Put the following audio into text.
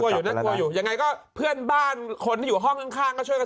อยู่ยังไงก็เพื่อนบ้านคนที่อยู่ห้องข้างข้างก็ช่วยกัน